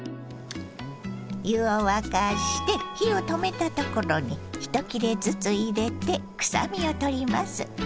湯を沸かして火を止めたところに１切れずつ入れてくさみをとります。